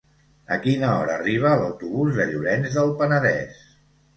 A quina hora arriba l'autobús de Llorenç del Penedès?